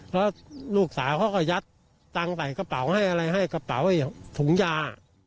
แล้วลูกสาวเขาก็ยัดตังค์ใส่กระเป๋าให้อะไรให้กระเป๋าถุงยา